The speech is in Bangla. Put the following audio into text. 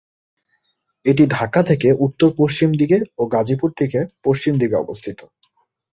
এটি ঢাকা থেকে উত্তর-পশ্চিম দিকে ও গাজীপুর থেকে পশ্চিম দিকে অবস্থিত।